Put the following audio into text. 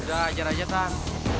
udah ajar aja tan